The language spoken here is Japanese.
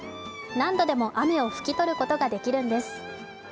何度でも雨を拭き取ることができるんです。